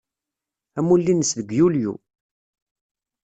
Amulli-nnes deg Yulyu.